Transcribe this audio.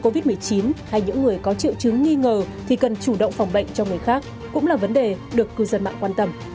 covid một mươi chín hay những người có triệu chứng nghi ngờ thì cần chủ động phòng bệnh cho người khác cũng là vấn đề được cư dân mạng quan tâm